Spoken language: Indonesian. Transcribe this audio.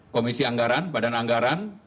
komisi anggaran badan anggaran